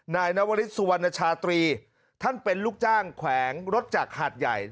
นายนวริสสุวรรณชาตรีท่านเป็นลูกจ้างแขวงรถจากหาดใหญ่